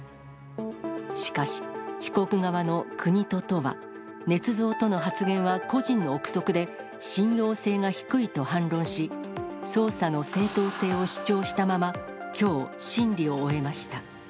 しかし、被告側の国と都は、ねつ造との発言は個人の臆測で、信用性が低いと反論し、捜査の正当性を主張したまま、きょう審理を終えました。